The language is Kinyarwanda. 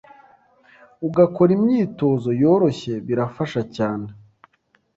ugakora imyitozo yoroshye, birafasha cyane